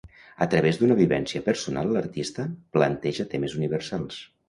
A través d'una vivència personal, l'artista planteja temes universals.